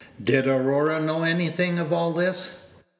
Did Aurora know anything of all this?